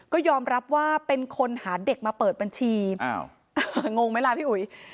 ก็ยอมรับว่าเป็นคนหาเด็กมาเปิดบัญชีงงไหมล่ะพี่อุ๋ย